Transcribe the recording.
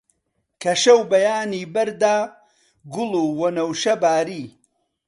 کە شەو بەیانی بەردا، گوڵ و وەنەوشە باری